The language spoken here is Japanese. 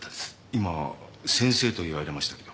今先生と言われましたけど？